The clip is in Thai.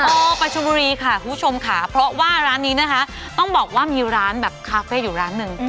พอไปชมบุรีค่ะคุณผู้ชมค่ะเพราะว่าร้านนี้นะคะต้องบอกว่ามีร้านแบบคาเฟ่อยู่ร้านหนึ่ง